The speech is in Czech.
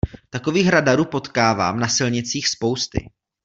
Takových radarů potkávám na silnicích spousty.